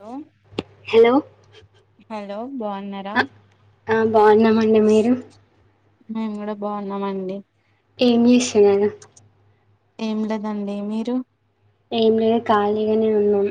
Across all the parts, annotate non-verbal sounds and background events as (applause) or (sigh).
Hello hello hello బావున్నారా ఆమ్ బావున్నామండి మీరు మేము కూడా బావున్నామండి ఏమ్ జేస్తున్నారు ఏం లేదండి మీరు ఏం లే కాలిగానే ఉన్నాం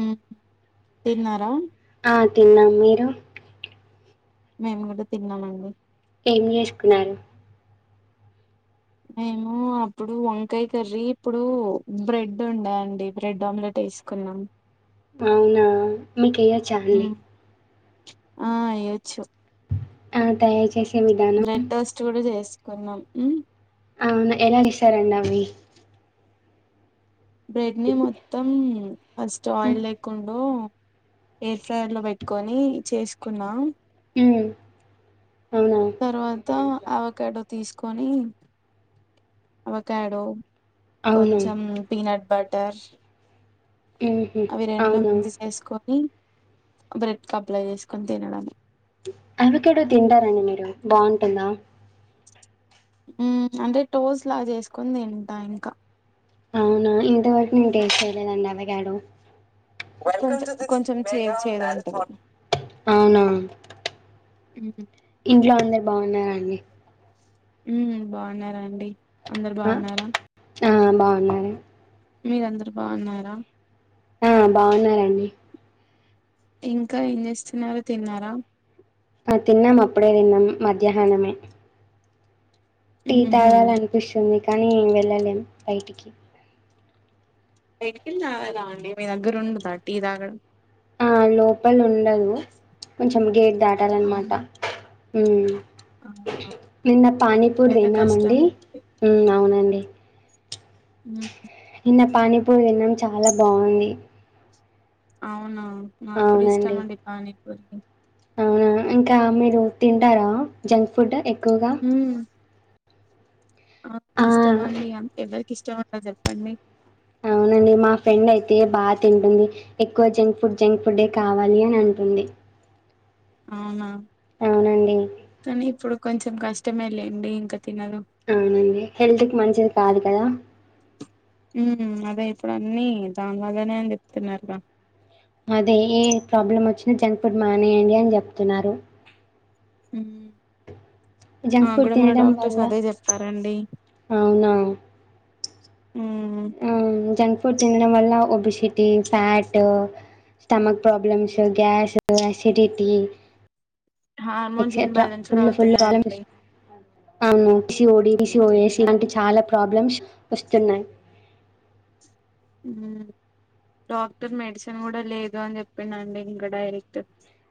ఊమ్ తిన్నారా ఆ తిన్నాం మీరు మేము గూడా తిన్నామండి ఏమ్ జేసుకున్నారు మేము అప్పుడు వంకాయ కర్రీ ఇప్పుడు బ్రెడ్ ఉండ అండి బ్రెడ్ ఆమ్లెట్ ఏసుకున్నాం అవునా మీకెయ్యొచ్చా అండి మ్ ఆ ఎయ్యొచ్చు ఆ దయచేసి బ్రెడ్ టోస్ట్ చూడ చేసుకున్నాం అవును ఎలా జేస్తారండి అవి బ్రెడ్ ని మొత్తం ఫస్ట్ ఆయిల్ ఉమ్, లేకుండో ఎయిర్ ఫ్రైయర్ లో పెట్టుకొని చేసుకున్నాం ఊమ్ తర్వాత అవకాడో తీసు కొని అవకాడో అవును కొంచం పీనట్ బట్ ట్యాష్ ఉహు, అవి రెండు అవును మిక్సి జేసుకొని బ్రెడ్ కప్లై జేసుకొని తినడమే అవకాడో తింటారండి మీరు బాగుంటుందా ఉ అంటే టోస్ లాగా చేసుకుని తింటా ఇంకా అవునా ఇంతవరకి నేను టేస్ట్ చేయలేదండి అవగాడో కొంచం కొంచెం చేదు చేదు ఉంటది అవునా ఉ ఇంట్లో అందరు బాగున్నారండి ఉ బాగున్నారండి అందరు ఆ, బాగున్నారా ఆ బాగున్నానే మీరందరు బాగున్నారా ఆ బాగున్నారండి ఇంకా ఏం చేస్తున్నారు తిన్నారా ఆ తిన్నాం అప్పుడే తిన్నాం మధ్యాహ్నమే టీ మ్మ్ హ్మ్ తాగాల అనిపిస్తుంది కానీ వెళ్ళలేం బైటికి బయటికెళ్ళి తాగలా అండి మీ దగ్గర ఉండదా టీ తాగడం ఆ లోపల ఉండదు కొంచెం గేట్ దాటాలన్ మాట అవునా ఉమ్ అవునా నిన్న పానీపూరి అదైతే తిన్నామండి కష్టమే అండి ఉ అవునండి ఉ నిన్న పానీపూరి తిన్నాం చాలా బాగుంది అవునా మాకూడా అవునండి ఇష్టమండి పానీపూరి అవునా ఇంకా మీరు తింటారా జంక్ ఫుడ్ ఎక్ ఎక్కువగా ఆ ఇష్టమండి అం ఎవ ఇష్టముండది చెప్పండి అవునండి మా ఫ్రెండ్ అయితే బా తింటుంది ఎక్కువ జంక్ ఫుడ్ జంక్ ఫుడె కావాలి అని అంటుంది అవునా అవునండి. కానీ ఇప్పుడు కొంచెం కష్టమే లేండి ఇంక అవునండి హెల్త్ కి మంచిది కాదు కదా హు అదే ఇప్పుడు అన్నీ దానిలాగానే అని చెప్తున్నారుగా అదే ఏ ప్రాబ్లం వచ్చినా జంక్ ఫుడ్ మానేయండి అని చెప్తున్నారు. హు జంక్ ఫుడ్ తినడం వల్ల చెప్పారండి అవునా హుహు డ్ తినడం వల్ల obesity, fat, stomach problems, gas, acidity hormones etcetera imbalanced full full problems అవుతున్నాయండి. అవును సి ఓడిసి ఓ ఏసి అంటి చాలా ప్రాబ్లమ్స్ వస్తున్నాయి హు డాక్టర్ మెడిసిన్ కూడా లేదు అని చెప్పినండి ఇంకా డైరెక్ట్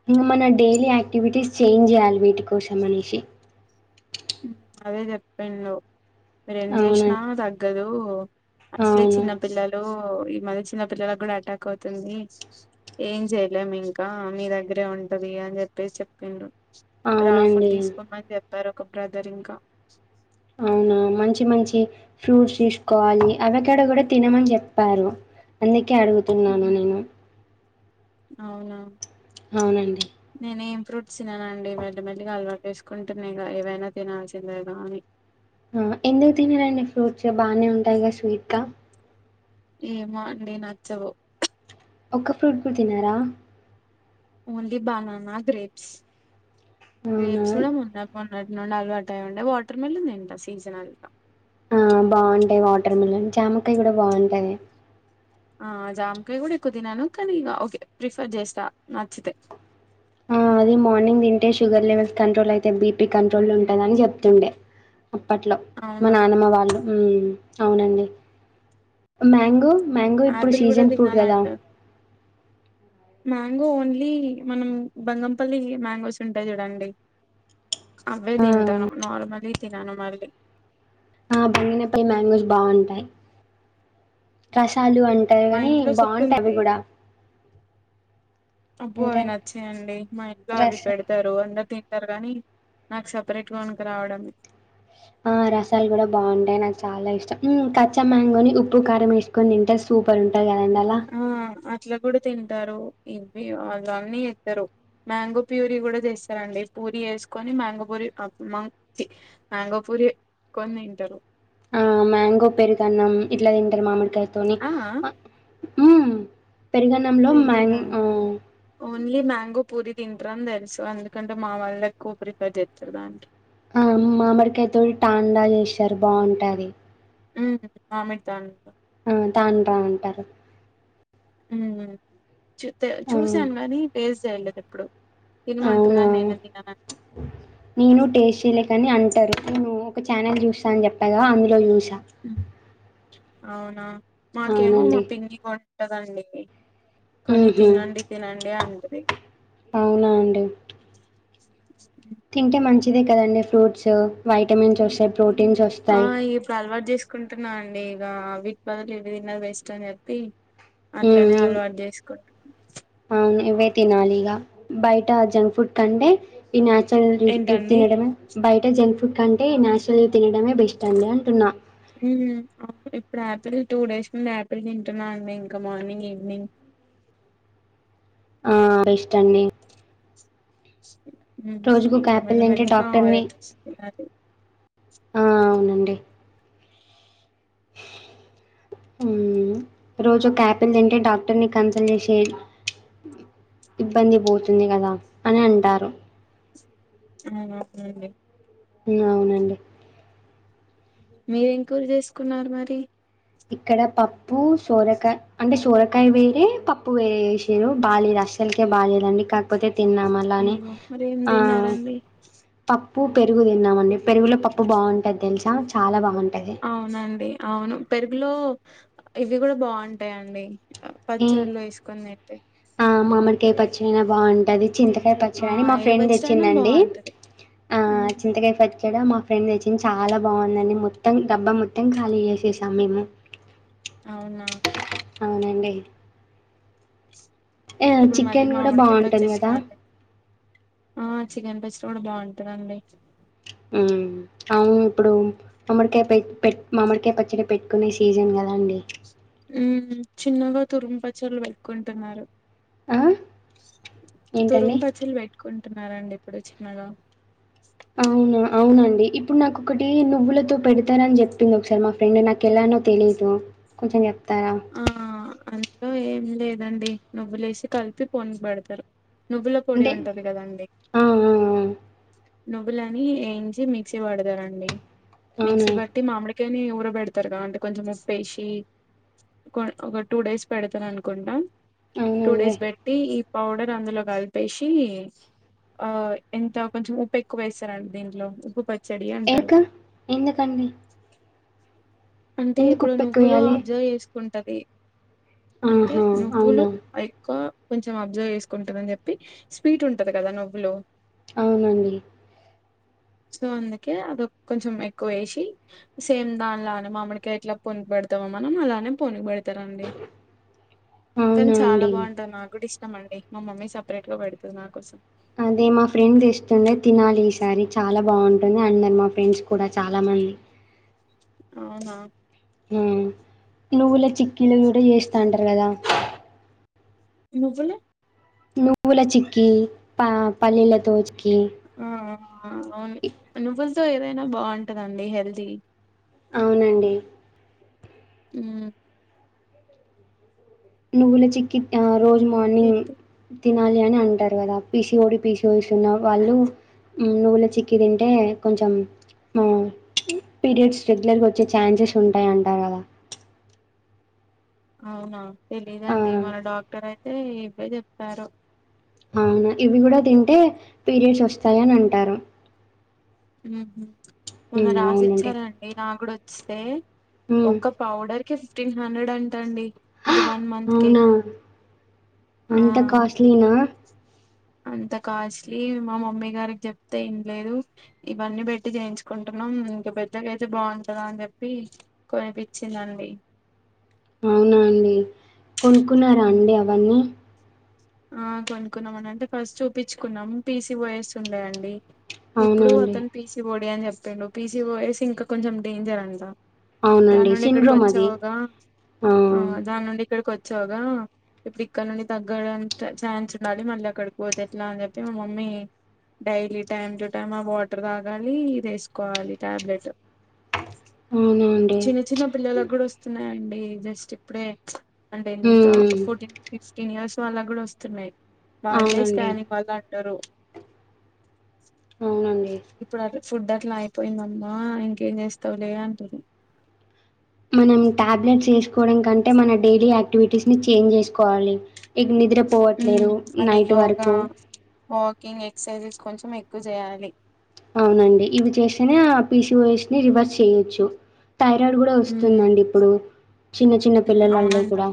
ఇంకా మన డైలీ యాక్టివిటీస్ చేంజ్ చేయాలి వీటి కోసం అనేసి హు అదే చెప్పిండ్రు మీరేం చేసినా అవునండి. తగ్గదు అసలే అవును. చిన్న పిల్లలు ఈ మధ్య చిన్న పిల్లలకు కూడా అటాక్ అవుతుంది ఏం చెయలేం ఇంకా మీ దగ్గరే ఉంటది అని చెప్పేసి చెప్పిండ్రు రా ఫుడ్ అవునండి. తీసుకోమని బర ఒక బ్రదర్ ఇంకా అవునా మంచి మంచి ఫ్రూట్స్ తీసుకోవాలి అవకాడో కూడా తినమని చెప్పారు అందుకే అడుగుతున్నాను ఉమ్, నేను అవునా అవునండి. నేనేం ఫ్రూట్స్ తిననండి మెల్లి మెల్లిగా అల్వాటు వేసుకుంటున్నా ఏవైనా తినాల్సిందేగా అని ఎందుకు తినారండి ఫ్రూట్స్ బాగానే ఉంటాయిగా స్వీట్గా ఏమో అండి నచ్చవు ఒక్క ఫ్రూట్ కూడా తినరా ఓన్లీ బనానా, గ్రేప్స్ అవునా! గ్రేప్స్ మొన్న మొన్న అలవాటు ఉండే వాటర్ మిలన్ తింట సీజనల్గా ఆ బాగుంటాయి వాటర్ మిలన్, జామకాయ కూడా బాగుంటది. ఆ జామకాయ కూడా ఎక్కువ తినను కానీ ఇక ఓకే ప్రిఫర్ చేస్తా నచ్చితే అది మార్నింగ్ తింటే షుగర్ లెవెల్స్ కంట్రోల్ అయితే బీపీ కంట్రోల్ ఉంటుందని చెప్తుండే అప్పట్లో మా అవునా నానమ్మ వాళ్ళు హూ అవునండి మ్యాంగో మ్యాంగో ఇప్పుడు ఆపిల్ కూడా సీజన్ ఫ్రూట్ కదా తినాలంటారు మ్యాంగో ఓన్లీ మనం బంగంపల్లి మ్యాంగోస్ ఉంటాయి చూడండి అవే ఆ! తింటాను నార్మల్లీ తినను మళ్ళీ ఆ బంగిని పల్లి మ్యాంగోస్ బావుంటాయి. మా ఇంట్లో చెట్టు అవి ఉంది. కూడా అబ్బో అంటే అవి నచ్చయండి. మా ఇంట్లో అవి రస పెడతారు అందరు తి ంటరు గానీ నాకు సపరేట్ గా కొనక్క రావడమే. ఆ రసాలు కూడా బావుంటాయి, నాకు చాలా ఇష్టం. హ్ కచ్చా మ్యాంగోని ఉప్పు కారం వేసుకొని తింటే సూపర్ ఉం ఆ అట్లా కూడా తి ంటరు ఇవి అల్లు అన్నీ చేత్తరు. మ్యాంగో ప్యూరీ కూడా చేస్తారండి. పూరీ చేసుకొని మ్యాంగో పూరి అ మ చి మ్యాంగో ప్యూరి కొని తింటరు. ఆ మ్యాంగో పెరుగు అన్నం ఇట్లా తింటరు మామిడికాయ తోని ఆ హుమ్ పెరుగన్నంలో మ్యాంగ్ తెలీదండి ఆ ఓన్లీ మ్యాంగో పూరి తింటరు అని తెలుసు ఎందుకంటే మా వాళ్ళు ఎక్కువ ప్రిఫర్ చేస్తరు దానికి ఆ మామిడికాయ తోటి టాండా చేస్తారు బావుంటది. హ్ మామిడి దానితో హా తాండ్రా అంటరు. హ్ చూ తే ఆ, చూశాను గానీ టేస్ట్ చేయలేదు ఎప్పుడు. అవునా తినమంటారుగాని నేనె తిన (inaudible) కాని అంటరు నేను ఒక ఛానల్ చూస్తా అని చెప్పగా అందులో చూస్ హ్ అవునా మాకేమో మా అవునండి పిన్ని కూడా ఇత్తదండి. కొని ఊహు తినండి తినండి అంటది. అవునా అండి తింటే మంచిదే కదండి ఫ్రూట్స్ వైటమిన్స్ వస్తయి. ప్రోటీన్స్ వస్తాయి. కుంటున్నా అండి ఇగ వీటి బదులు ఇవి తిన్నది బెస్ట్ అని చెప్పి అట్లనే హ్ అలవాటు చేసుకుంటున్నాం అవును ఇవి తినాలి ఇగ బయట జంక్ ఫుడ్ కంటే ఈ నా చూరల్ ఇవి ఏంటండి తినడమే బయ జంక్ ఫుడ్ కంటే నాచూరల్ తినడమే బెస్ట్ అండి అంటున్నా. ఉమ్, అవును ఇప్పుడు ఆయాపిల్ టూ డేస్ నుండి ఆపిల్ తింటున్నా అండి ఇంకా మార్నింగ్ ఈవినింగ్. ఆ బెస్ట్ అండి. ఉమ్ రోజుకు ఒక ఇంక యాపిల్ మెల్లి తింటే మెల్లిగా (inaudible) డాక్టర్ని ఆ అవునండి ఊ రోజూ యాపిల్ తింటే డాక్టర్ని కన్సల్ట్ చేసే ఇబ్బంది పోతుంది కదా అని అంటారు అవునా (inaudible) అండి అవునండి మీరు ఏం కూ రచేసుకున్నారు మరి ఇక్కడ పప్పు సోరకా అంటే సోరకాయ వేరే పప్పు వేరే చేసిర్రు బాలేదు అస్సలుకే బాలేదండి కాకపోతే తిన్నాం అలానే అయ్యో మరి ఏం అ తిన్నారండి ప ప్పు పెరుగు తిన్నాంమండి పెరుగులో పప్పు బావుంటాది తెలుసా చాలా బావున్ అవునండి అవును పె లో ఇవి కూడా బాగుంటాయండి పచ్చళ్ వేసుకొనిట్టే అ మామడి కాయ పచ్చడి అయినా బాగుంటది చింతకాయ పచ్చడి ఆ అని మా ఏ ఫ్రెండ్ పచ్చడైనా తెచ్చిందండి బాగుంటది ఆ ఉమ్ చింతకాయ పచ్ క్కడ మా ఫ్రెండ్ తెచ్చింది చాలా బాగుందండి, మొత్తం డబ్బా మొత్తం ఖాళీ చేసేసాం మేము అవునా అవునండి ఆ ఇప్పుడు మళ్ళీ చికెన్ కూడా మామిడికాయ బాగుంటుంది పచ్చడి కదా స్టార్ట్ ఆ చికెన్ పచ్చడి కూడా బాగుంటందండి అవును ఇప్పుడు, మామడికాయ పెట్ పెట్ మామడికాయ పచ్చడి పెట్టుకునే సీజన్ కదా అండి. ఉ చిన్నగా తురుముపచ్చళ్లుు పెట్టుకుంటున్నారు ఆ! ఏంటండి? తురిమి పచ్చడ్లు పెట్టుకుంటు అంటున్నారండి ఇప్పుడు చిన్నగా అవునా అవునండి ఇప్పుడు నాకొ ఒకటి నువ్వులతో పెడతారని చెప్పింది ఒకసారి మా ఫ్రెండ్ నాకు ఎలానో తెలియదు కొంచెం చే ఆ అ లో ఏం లేదండి నువ్వులేసి కలిపి పోన్ పెడతారు నువ్వుల పొడి అంటే ఉంటది కదండి ఆ! ఆ! నువ్వులని ఏంచి మిక్సీ పడతారండి. ఆ! అవునా? మిక్సీ బట్టి మామిడి కని ఊరబెడతారుగా అంటే కొంచెం ఉప్పేసి ఒక టూ డేస్ పెడతరు అనుకుంటా టూ అవునండి. డేస్ బెట్టీ పౌడర్ అందులో కలిపేసి ఆ ఎంత కొంచెం ఉప్పు ఎక్కువ వేస్తారండి దీంట్లో ఉప్పు ప ఏక ఎందుకండి అంటే ఎందుకు ఇప్పుడు నువ్వులు ఉప్పెక్కువెయ్యాలి? అబ్జర్వ్ చేసుకుం టది అంటే ఆహా! నువ్వులు అవునా? ఎక్కువ కొంచెం అబ్జర్వ్ చేసుకుంటుందని చెప్పి స్వీట్ ఉంటది కదా నువ్వులో అవునండి సో అందుకే అద కొంచెం ఎక్కువ వేసి సేమ్ దానిల మామకా ఎట్లా పోన్ ప పెడతామ్మా మలాానే ప పోన్ పెడత ఇస్తార అండి కానీ అవునా చాలా అండి? బాగుంటారు నా కూడా ఇ ఇష్టమ అండి మా మమ్మీ సపరేట్ గా పడుతుంది నా కోసం అదే మా ఫ్రెండ్ ఇస్తుండే తినాలి ఈసారి చాలా బాగుంటుంది అన్నారు మా ఫ్రెండ్స్ కూడా చాలా మంది అవునా ఉమ్ నువ్వుల చిక్కిీలు కూడా చేస్తంటారు కదా నువ్వులు నువ్వుల చిక్కి ప పల్లిలతో చే ఆ అవును నువ్వ లతో ఏదైనా బాగుంటందండి హెల్దీ అవునండి ఉమ్ నువుల చికి ఆ రోజు మార్నింగ్ తినాలి అని అంటారు కదా పీసీ ఓడి పీసీ స్ ఉన్న వాళ్ళు నువ్వుల చిక్కి తింటే కొంచెం పీరియడ్స్ రెగ్యులర్గా వచ్చే ఛాన్సెస్ ఉంటాయి అంటారు కదా అవునా ఆ! తెలీదండి మన డాక్ ఎక్కడైతే ఇవే చెప్తారు అవునా ఇవి కూడా తింటే పీరియడ్స్ వస్తాయ అని అంటారు ఉ మన్న హ్మ్. రాసి అవునండి. ఇచ్చారంండి నా కూడా వ స్తే హ్మ్. ఒక పౌడర్ కి ఫిఫ్టీన్ హండ్రెడ్ అంట అండి హా అది వన్ మంత్ కి అవునా ఆ అంత కాస్ట్లీనా అంత కాస్ట్లీ మా మమ్మీ గారికి చెప్తే ఏం లేదు ఇవన్నీ పెట్టి చేయించుకుంటున్నాం ఇంక పెద్దగాయితే బాగుంటందా అని చెప్పి కనిపించిందండి అవునా అండి కొనుక్కున్నారా మ్మ్ అండి అవన్నీ ఆ కొనుకున్నాం అని అంటే ఫస్ట్ చూపించుకున్నాం పీసి యస్ ఉండయండి అవునా ఇప్పుడు అండి. అతను పీసి బొడి అని చెప్ప చెప్పండు పీసీ బోయస్ ఇంకా కొంచెం డేంజర్ అంటా దాని అవునండి. నుండి ఇక్కడికి సిండ్రోమ్ అది. వచ్చావగా ఆ దాని నుండి ఇక్కడికి వ వచ్చాగా ఇప్పుడు ఇక్కడ నుండి తగ్గడం ఛాన్స్ ఉండాలి మళ్ళీ అక్కడికి పోతే ఎట్లా అని చెప్పి మా mummy daily time to time ఆ వాటర్ తాగాలి ఇది వేసుకోవాలి టాబ్లెట్ అవునా అండి. చిన్న చిన్న పిల్లలు కూడా వస్తున్నా అండి జస్ట్ ఇప్పుడే అండ్ ఎంత హ్మ్. ఫోర్టీన్ ఫిక్స్టీన్ ఇయర్స్ అలగడా వస్త చమే వాళ్ళే అవునండి. స్కానింగ్ వాళ్ళు అంటారు అవునండి ఇప్పుడు అది ఫుడ్ అట్లా అయిపోయిందమ్మా ఇంకేం చేస్తావులే అంటరు మనం టాబ్లెట్స్ వేసుకోవడం కంటే మన డైలీ యాక్టివిటీస్ ని చేంజ్ చేసుకోవాలి నిద్ర పోవట్లేరు నైట్ వరకు కింగ్ ఎక్సర్సైజెస్ కొంచెం ఎక్కువ చేయాలి అవునండి ఇవి చేస్తేనే ఆ పీసిఓఎస్ ని రివర్స్ చేయొచ్చు థైరాయిడ్ కూడా ఉమ్, వస్తుందండి ఇప్పుడు చిన్న చిన్న పిల్లలల్లో అవునంట కూడా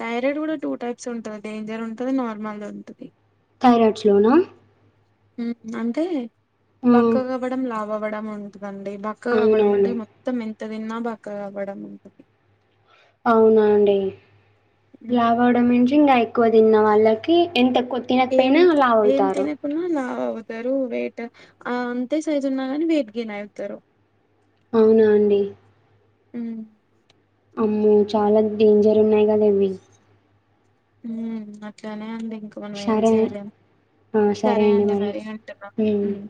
థైరాయిడ్ కూడా టూ టైప్స్ ఉంటది డేంజర్ ఉంటది నార్మల్ది ఉంటది ైరాడ్స్లోనా ఉ అంటే హ్మ్. బక్కగవ్వడం లావ్ వవ్వడం ఉంటు దండి బక్క అవ్వడం అవునవును. అంటే మొత్తం ఎం త తిన్నా బక్కగ అవ్వడం అవునా అండి ఉమ్, లావవ్వడం నుంచి ఇంగా క్కువ తిన్న వాళ్ళకి ఎంత తినకపోయినా లావు అవుతారు. తారు వెయిట్ అహ్ అంతే సైజ్ ఉన్నా కాని వెయిట్ గెన్ అవుతారు అవునా అండి హు అమ్మో! చాలా డేంజర్ ఉన్నాయి గానివ్వి హు, అట్లనే అండి ఇంక మనం ఏం సరే చేయలేం, సరే అండి, మరి ఉంటున్నా.. హ్మ్. హుం.